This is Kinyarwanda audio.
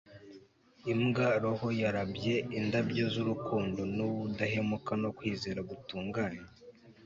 imbwa-roho yarabye indabyo zurukundo nubudahemuka no kwizera gutunganye